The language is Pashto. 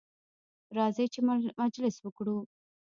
راځئ چې مجلس وکړو.